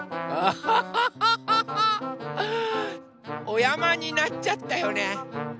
おやまになっちゃったよね。